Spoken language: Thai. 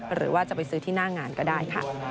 หรือว่าจะไปซื้อที่หน้างานก็ได้ค่ะ